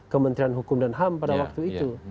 kementerian hukum dan ham pada waktu itu